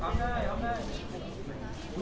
สวัสดีครับ